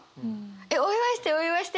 「お祝いして！お祝いして！」